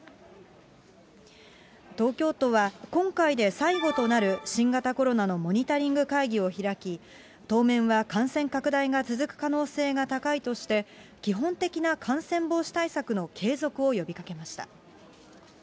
東京都は、今回で最後となる新型コロナのモニタリング会議を開き、当面は感染拡大が続く可能性が高いとして、基本的な感染防止対策の継続を呼びかけました。